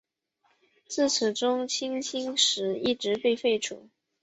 自此中圻钦使一职被废除。